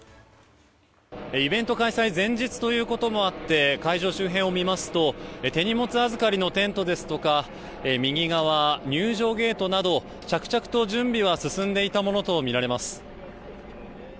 イベント開催前日ということもありまして会場周辺を見ますと手荷物預かりのテントですとか右側、入場ゲートなど着々と準備は進んでいたものとみられます。